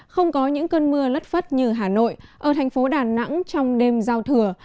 không có những cơn mưa lất phất như hà nội ở thành phố đà nẵng trong đêm giao thừa